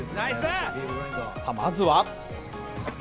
まずは。